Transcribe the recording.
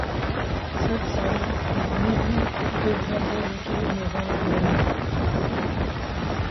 Sed salî li dinê bî, dê her rojekê mêvanê gorrê bî